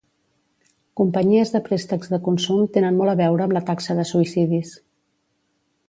Companyies de préstecs de consum tenen molt a veure amb la taxa de suïcidis.